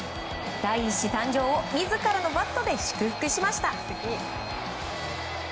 第１子誕生を自らのバットで祝福しました。